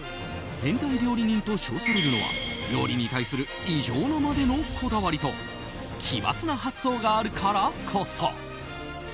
変態料理人と称されるのは料理に対する異常なまでのこだわりと奇抜な発想があるからこそ。